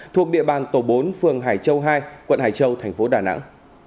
thuộc địa bàn tổ bốn phường hải châu hai quận hải châu thành phố đà nẵng